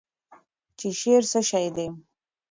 چې شعر څه شی دی؟